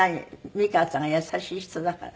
美川さんが優しい人だから？